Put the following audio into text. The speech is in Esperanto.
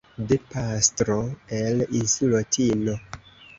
de pastro, el insulo Tino.